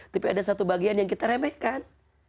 tapi ada satu bagian yang kita remehkan